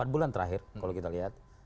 empat bulan terakhir kalau kita lihat